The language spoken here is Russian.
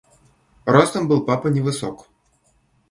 Ростом был папа невысок.